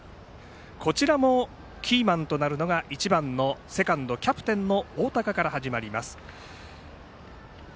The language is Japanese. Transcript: こちらもキーマンとなるのが１番のセカンドキャプテンの大高から始まります。